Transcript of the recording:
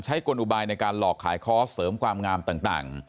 กลอุบายในการหลอกขายคอร์สเสริมความงามต่าง